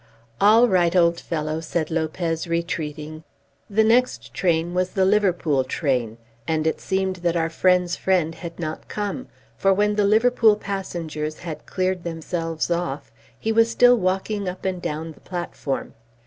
"All right, old fellow," said Lopez, retreating. The next train was the Liverpool train; and it seemed that our friend's friend had not come, for when the Liverpool passengers had cleared themselves off, he was still walking up and down the platform.